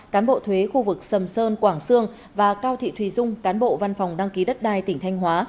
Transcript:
cán bộ thuế khu vực sầm sơn quảng sương và cao thị thùy dung cán bộ văn phòng đăng ký đất đai tỉnh thanh hóa